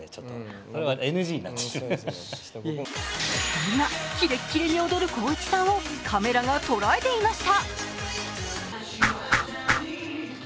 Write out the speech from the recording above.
そんなキレッキレに踊る光一さんをカメラが捉えていました。